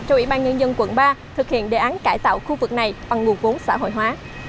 cho ủy ban nhân dân quận ba thực hiện đề án cải tạo khu vực này bằng nguồn vốn xã hội hóa